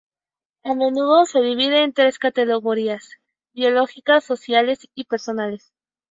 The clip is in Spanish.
A menudo se dividen en tres categorías: biológicos, sociales y personales.